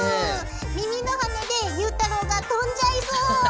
耳の羽根でゆうたろうが飛んじゃいそう。